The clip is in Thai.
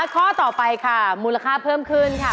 ข้อต่อไปค่ะมูลค่าเพิ่มขึ้นค่ะ